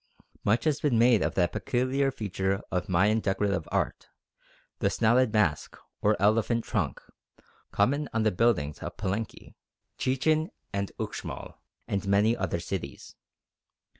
Much has been made of that peculiar feature of Mayan decorative art, the "snouted mask" or "elephant trunk," common on the buildings of Palenque, Chichen and Uxmal, and many other cities.